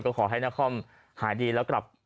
ก็ขอให้น้องคล้มหายดีแล้วกลับ